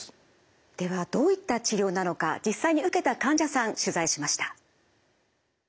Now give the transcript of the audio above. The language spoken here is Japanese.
ではどういった治療なのか実際に受けた患者さん取材しました。